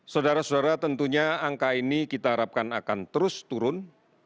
saudara saudara tentunya angka ini kita harapkan akan terus turun